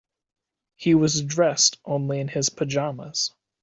He was dressed only in his pajamas.